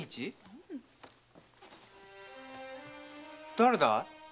誰だい？